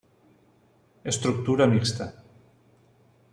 Estructura mixta.